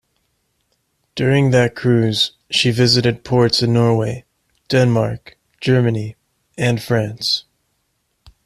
During that cruise, she visited ports in Norway, Denmark, Germany, and France.